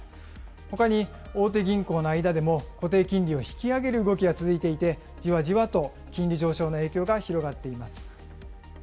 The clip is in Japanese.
ほかに大手銀行の間でも固定金利を引き上げる動きが続いていて、じわじわと金利上昇の影響が広がっています。